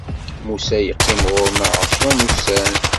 Musa yeqqim ɣur-neɣ ɛecra n ussan.